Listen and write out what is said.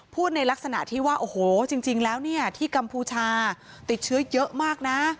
ในลักษณะที่ว่าโอ้โหจริงแล้วเนี่ยที่กัมพูชาติดเชื้อเยอะมากนะ